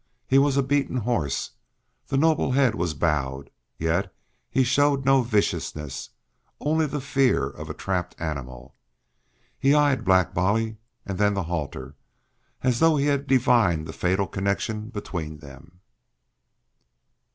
He was a beaten horse; the noble head was bowed; yet he showed no viciousness, only the fear of a trapped animal. He eyed Black Bolly and then the halter, as though he had divined the fatal connection between them.